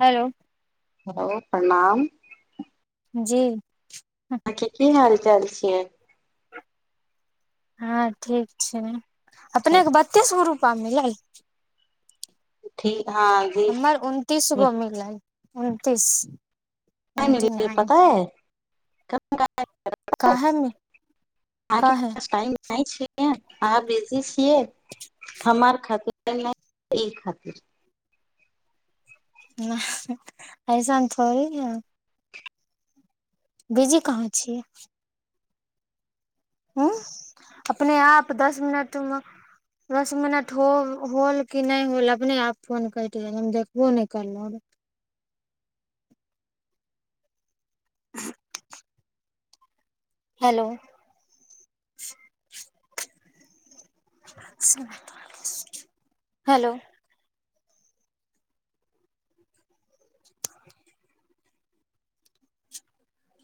hello hello प्रणाम जी आहाँ के की हाल चाल छियै हँ ठीक छै ठीक अपनेके बत्तीस गुरुप पामिल ठीक हँ जी हमर उनतीस गो मिललै उनतीस नहि ट्वेंटी नहिल नाइन पता है [unintelligible] काहेमे अहाँके काहे पास टाइम नहि छ अहाँ बिजी छियै हमार खातिर नहि ई खातिर न अयसान थोड़ी ना हए बीजी कहाँ छियै ह अपने आप दस मिनटमे दस मिनट हो होल कि नहि होल अपने आप फोन कटि गेल हम देखबो नहि करलहु [inaudible] हेलो हेलो